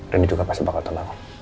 randy juga pasti bakal tenang